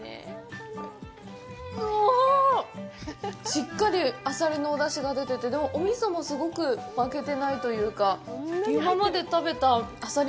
しっかりあさりのお出汁が出てて、でもお味噌もすごく負けてないというか。